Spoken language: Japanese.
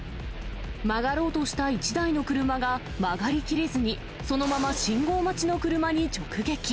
曲がろうとした１台の車が曲がりきれずに、そのまま信号待ちの車に直撃。